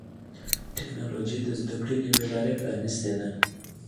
ټکنالوجي د زدهکړې نوي لارې پرانستې دي.